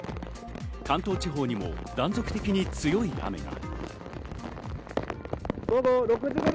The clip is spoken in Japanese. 関東地方にも断続的に強い雨が。